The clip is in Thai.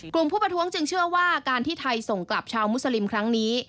ผู้ประท้วงจึงเชื่อว่าการที่ไทยส่งกลับชาวมุสลิมครั้งนี้